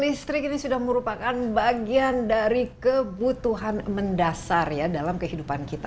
listrik ini sudah merupakan bagian dari kebutuhan mendasar ya dalam kehidupan kita